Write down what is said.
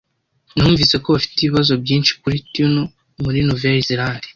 Numvise ko bafite ibibazo byinshi kuri tunel muri Nouvelle-Zélande